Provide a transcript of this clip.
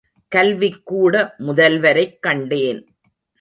கல்விக்கூட முதல்வரைக் கண்டேன்.